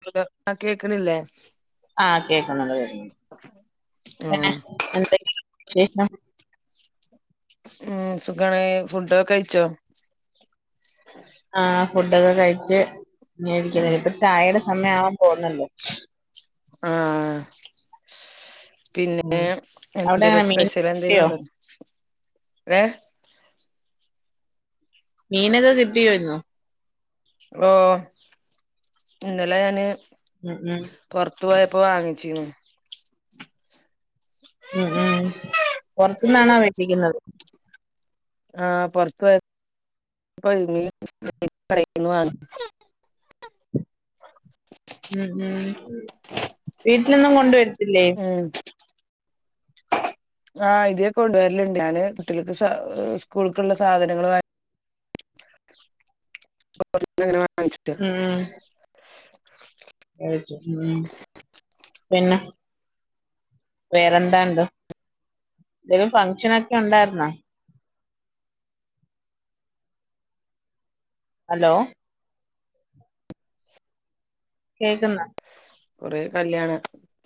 [unintelligible] ആഹ് കേക്ക്ണില്ലെ? ആഹ് കേക്കക്കുന്നുണ്ട്, കേക്കുന്നുണ്ട്. പിന്നെ ഉം എന്തെ വിശേഷം? ഉം സുഖണേ ഫുഡൊക്കെ കയ് ച്ചോ? ആ ഫുഡൊക്കെ കഴിച്ച് ഇങ്ങനിരി ക്കു ന്നു ഉം ഇപ്പൊ ചായടെ സമയം ആവാൻ പോവൂന്ന ള്ളൂ ആഹ് പിന്നെ ഉം അവിടെ എന്തെലും എങ്ങനെ സ്പെ മീൻ ഷ്യൽ എന്തെലും കിട്ടിയോ ഉണ്ടോ? ഏ മീനൊക്കെ കിട്ടിയോ ഇന്ന്‌ ഓ ഇന്നെലെ ഞാന് ഉം ഉം പൊർ ത്തു പോയപ്പോ വാങ്ങിച്ചിന്ന് ഉം ഉം പുറത്തുന്നാണോ വെട്ടിക്കുന്നത് ആഹ് പൊർ ത്ത് പൊ പൊര് ങ്ങി കടീന്ന് വാങ്ങി [inaudible] ഉം ഉം വീട്ടിലൊന്നും കൊണ്ടുവരത്തില്ലേ? ഉമ് ആഹ് ഇത്യേ കൊണ്ടുവരലുണ്ട് ഞാന് കുട്ടികൾക്ക് സ സ്കൂൾക്കുള്ള സാധനങ്ങളു വ [unintelligible] ആഹ് [unintelligible] ഉം പിന്നെ വേറെന്താണ്ട് എന്തെലും ഫങ്ഷനൊക്കെ ഉണ്ടായിരുന്നോ? അ ലോ. കേൾക്കുന്നൊ? കുറെേ കല്യാണ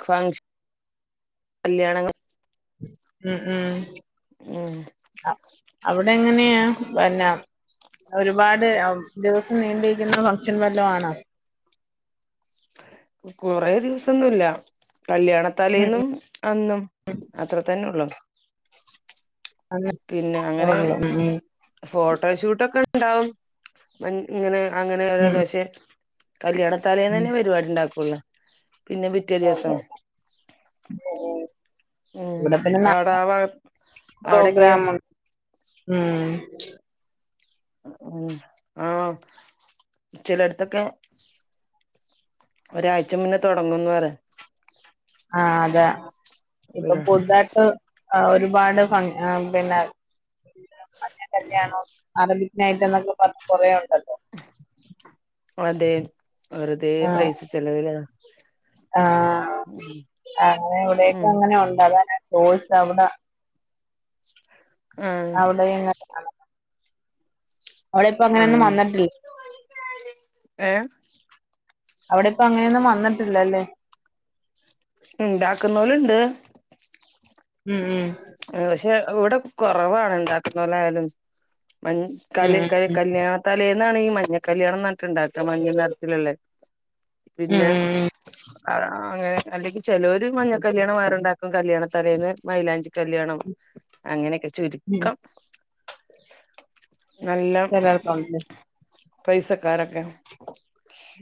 ഫങ്ഷൻ കല്യാണങ്ങ അ ഉം ആ അവിടെ എങ്ങനെയാ പിന്നെ ഒരുപാട് അവ്വ് ദിവസം നീണ്ടിയിരിക്കുന്ന ഫങ്ഷൻ വല്ലോണോ? കുറേ ദിവസന്നുല്ലകല്യാണത്തലേന്നും അന്നും അത്ര തന്നെ ഒള്ളൂ അന്ന് പിന്നെ അങ്ങനെ ഉള്ളു ഉം ഫോട്ടോഷൂട്ടൊക്കെ ഉണ്ടാവും ഇങ്ങനെ അങ്ങനെ ഉം ദശെ ഉം. കല്യാണത്തലേന്നന്നെ പരിപാടി ഉണ്ടാക്കൊ ള്ളൂ പിന്നെ പിറ്റേ ദിവസം ഉള്ളു [inaudible] ഉം ഇവിടെ പിന്നെ അവിടെ ആ ഭാഗ [unintelligible] പ്രോഗ്രാ അവിടെക്കെ മും ഉം ഉമ് ആഹ് ചിലട് ത്തക്കെ ഒരാഴ്ച മുന്നേ തുടങ്ങന്ന് പറ.. ആഹ് അതെ ഇപ്പൊ ഒരു പുത് തായിട്ട് എ ഒരുപാട് ഫങ് ആ പിന്നെ മഞ്ഞ കല്യാണം അറബിക് നൈറ്റ് എന്നൊക്കെ പറഞ്ഞ കുറേ ഉണ്ടല്ലോ അതെ വെറുതെ പൈസ ചെലവില ആ അങ്ങനെ ഇവിടെക്കെ ഉം അങ്ങനെ ഉണ്ട് അത ഞാൻ ചോ.. ചോദിച്ച അവിടെ ആഹ് അവിടെ യും ഇ ങ്ങനെ അവളിപ്പോ അങ്ങനൊന്നും വന്നിട്ടില്ല. ഏഹ്. അവിടെ ഇപ്പ അങ്ങനൊന്നും വന്നിട്ടില്ലല്ലെ? ഉണ്ടാക്കുന്നോലുണ്ട്. ഉമ് ഉമ് പക്ഷെ ഇവിടെ കുറവാണ് ഉണ്ടാക്കുന്നോലായാലും മഞ്ഞ ഉം കല് ഉം കല്യാണത്തലേന്നാണെങ്കി മഞ്ഞ കല്യാണം ന്നർ ഞ്ഞിട്ടുണ്ടാക്ക മഞ്ഞ നറത്തിലുള്ള ഉം പിന്നെഹ് ഉം അങ്ങനെ അല്ലെങ്കി ചെലോര് മഞ്ഞ കല്യാണം വേറെണ്ടാക്കും കല്യാണതലേന്ന് മൈലാഞ്ചി കല്യാണം അങ്ങനെ ഒക്കെ ഉം ചുരുക്കം നല്ലം ചിലർക്കുണ്ട് പൈസകാരൊക്കെ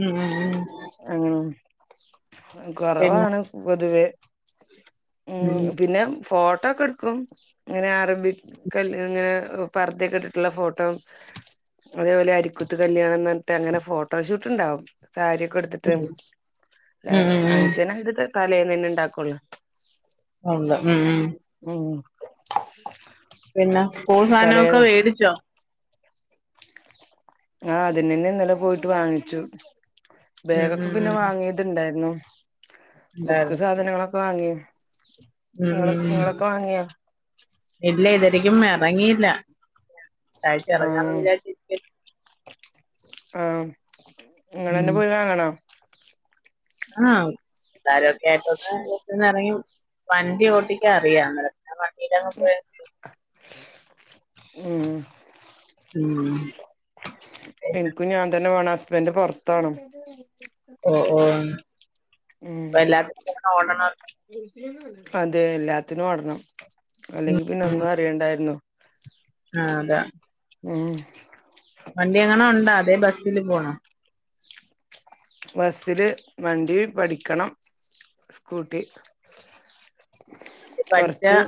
ഉം ഉം ഉം ആഹ് പിന്നെ കൊറവാണ് പൊതുവേ ഉം പിന്നെ ഫോട്ടോക്കെടുക്കും ഇങ്ങനെ അറബിക് കല്ല്യ ഇങ്ങനെ പർത ഒക്കെ ഇട്ടിട്ടുള്ള ഫോട്ടോ അതേപോലെ അരിക്കുത്ത് കല്യാണന്ന് പറഞ്ഞിട്ട് അങ്ങനെ ഫോട്ടോ ഷൂട്ടുണ്ടാവും. സാരിയൊക്കെ ഉടുത്തിട്ട് ഉം അല്ല ഉം ഉം ഉം ഫങ്ക്ഷനൊക്കെ തലേന്നന്നെ ഉണ്ടാക്കുള്ളൂ ഉണ്ട് ഉം ഉം ഉം പിന്നെ സ്ക്കൂൾ സാധന ഒക്കെ തലേന്ന് വേടിച്ചോ ആഹ് അതിനന്നെ ഇന്നലെ പോയിട്ട് വാങ്ങിച്ചു ഉം ഉം ബാഗൊക്കെ പിന്നെ ഉം വാങ്ങിട്ടിണ്ടായിരുന്നു. ഉണ്ടായിരുന്നു ബുക്ക് സാധനങ്ങളൊക്കെ വാങ്ങി ഉം നിങ്ങള് ഉം ഉം നിങ്ങളൊക്കെ വാങ്ങിയോ ഇല്ല ഇത് വരിക്കും എറങ്ങിയില്ല അടുത്ത ആഴ്ച ഇറങ്ങാന്ന് വിചാരിച്ച് ഇരിക്കാന് ആഹ് ഇങ്ങളെന്നെ ഉം പോയി വാങ്ങണോ ആഹ് എല്ലാരൊക്കെ ആയിട്ടൊന്ന് ബസ്സിന്ന് ഇറങ്ങി വണ്ടി ഓട്ടിക്ക അറിയാ അ ഉം ഉം എനിക്കും ഞാൻ തന്നെ വേണം ഹസ്ബൻഡ് പുറത്താണ് ഓഹ് ഓഹ് ഉം എല്ലാത്തിനും കൂടെ ഓടണം അതെ എല്ലാത്തിനും ഓടണം അല്ലെങ്കിൽ പിന്നെ ഒന്നും അറിയണ്ടായിരുന്നു ആഹ് അതെ ഉം വണ്ടിയെങ്ങാനും ഉണ്ടോ അതെ ബസ്സില് പോണോ ബസ്സില് വണ്ടി പഠിക്കണം സ്കൂട്ടി വണ്ടി പഠിച്ച കൊറച്ച്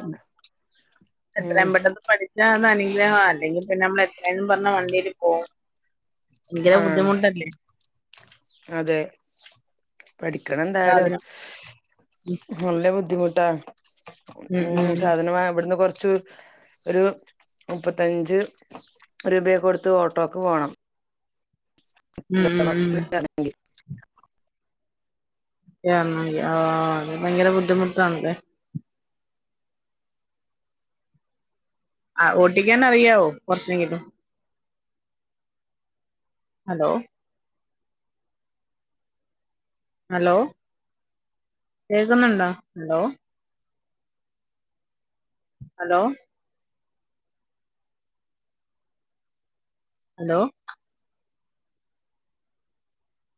എത്രേം ഉം പെട്ടെന്ന് പഠിച്ച അതനുഗ്രഹ അല്ലെങ്കിൽ പിന്നെ നമ്മൾ എത്രയും പറഞ്ഞ വണ്ടീല് പോകും ഭയങ്കര ആഹ് ബുദ്ധിമുട്ടല്ലേ അതെ പഠിക്കണം എന്തായാലും സാധനം നല്ല ബുദ്ധിമുട്ടാ ഉം സാധനവാങ്ങാ ഇവിടെന്ന് കുറച്ച് ഒരു മുപ്പത്തഞ്ച് രൂപ ഒക്കെ കൊടുത്ത് ഓട്ടോക്ക് പോണം ഉം [inaudible] ഉം ഉം ബസ്സിന് വരാണെങ്കിൽ ആഹ് അത് ഭയങ്കര ബുദ്ധിമുട്ടാണല്ലേ ആഹ് ഓട്ടിക്കാൻ അറിയാവോ കുറച്ചെങ്കിലും ഹലോ ഹലോ കേൾക്കുന്നുണ്ടോ ഹലോഹ് ഹലോ ഹലോ